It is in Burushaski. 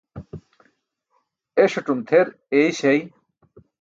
Eṣatum tʰer eyśay.